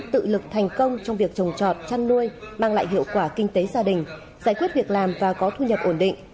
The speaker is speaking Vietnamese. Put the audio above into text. tự lực thành công trong việc trồng trọt chăn nuôi mang lại hiệu quả kinh tế gia đình giải quyết việc làm và có thu nhập ổn định